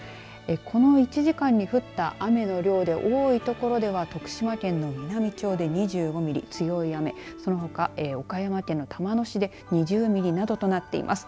この１時間に降った雨の量で多い所では徳島県の美波町で２５ミリ、強い雨そのほか岡山県の玉野市で２０ミリなどとなっています。